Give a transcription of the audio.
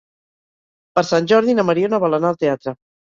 Per Sant Jordi na Mariona vol anar al teatre.